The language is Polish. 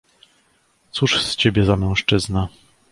— Cóż z ciebie za mężczyzna?